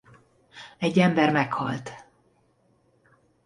Egy ember meghalt.